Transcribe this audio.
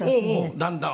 だんだん。